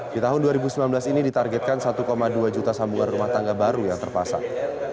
di tahun dua ribu sembilan belas ini ditargetkan satu dua juta sambungan rumah tangga baru yang terpasang